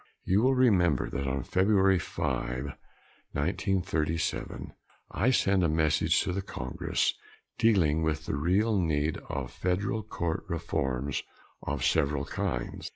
You will remember that on February 5, 1937, I sent a message to the Congress dealing with the real need of federal court reforms of several kinds.